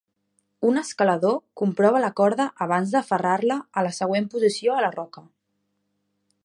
Un escalador comprova la corda abans d'aferrar-la a la següent posició a la roca.